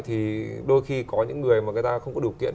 thì đôi khi có những người mà người ta không có điều kiện